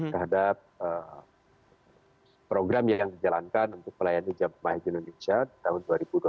terhadap program yang dijalankan untuk pelayanan jembat haji indonesia tahun dua ribu dua puluh tiga